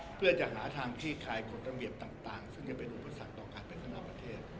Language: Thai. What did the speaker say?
เพื่อจะหาทางที่ขายคกฎระเวียบต่างซึ่งจะเป็นอุปสรรคต่อการแบ่งขนาดประเทศ